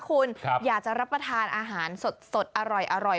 คุณอยากจะรับประทานอาหารสดอร่อย